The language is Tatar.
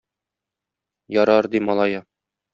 Ярар, - ди малае.